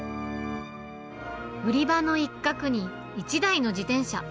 売り場の一角に１台の自転車。